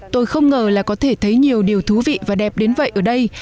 tôi không ngờ là có thể thấy nhiều điều thú vị và đẹp đến vậy ở đây